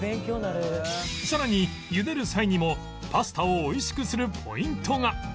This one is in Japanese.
さらにゆでる際にもパスタを美味しくするポイントが